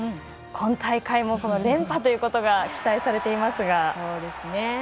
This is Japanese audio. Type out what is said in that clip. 今大会も連覇ということが期待されていますが。